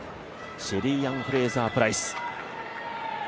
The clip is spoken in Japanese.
シェリーアン・フレイザー・プライス。